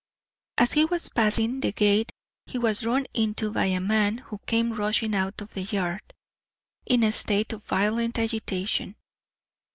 As he was passing the gate he was run into by a man who came rushing out of the yard, in a state of violent agitation.